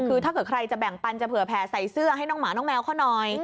คือถ้าเกิดใครจะแบ่งปันจะเผื่อแผ่ใส่เสื้อให้น้องหมาน้องแมวเขาหน่อย